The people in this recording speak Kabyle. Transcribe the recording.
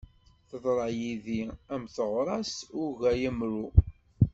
Teḍṛa yid-i, am teɣṛast ugayemru.